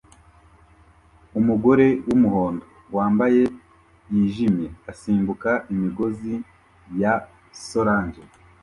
Umugore wumuhondo wambaye yijimye asimbuka imigozi ya solange